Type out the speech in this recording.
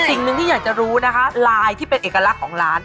สิ่งหนึ่งที่อยากจะรู้นะคะไลน์ที่เป็นเอกลักษณ์ของร้าน